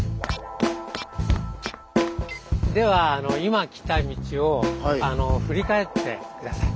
では今来た道を振り返って下さい。